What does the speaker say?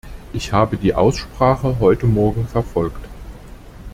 Ich habe die Aussprache heute morgen verfolgt.